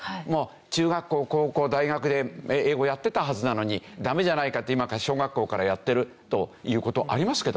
中学校高校大学で英語やってたはずなのにダメじゃないかって今小学校からやってるという事ありますけど。